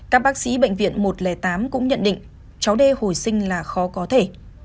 các bác sĩ bệnh viện một trăm linh tám cũng nhận định cháu đê hồi sinh là khó có thể